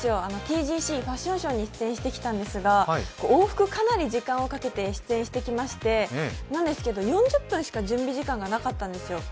ＴＧＣファッションショーに出演してきたんですが往復かなり時間をかけて出演をしてきまして、なんですけど、４０分しか準備時間がなかったんですよ。